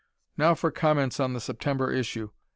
Now for comments on the September issue.